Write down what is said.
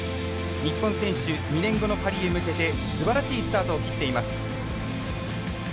日本選手、２年後のパリへ向けてすばらしいスタートを切っています。